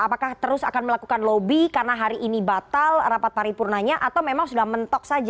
apakah terus akan melakukan lobby karena hari ini batal rapat paripurnanya atau memang sudah mentok saja